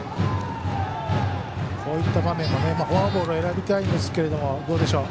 こういった場面はフォアボールを選びたいですがどうでしょう。